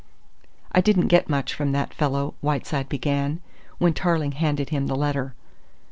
"I didn't get much from that fellow," Whiteside began, when Tarling handed him the letter.